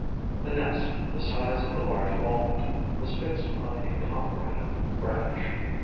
This nest, the size of a large walnut, was fixed on a pomegranate branch.